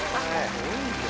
すごいよ。